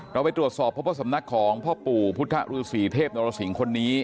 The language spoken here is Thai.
เราไปตรวจสอบพบว่าสำนักของพ่อปู่พุทธฤษีเทพนรสิงห์คนนี้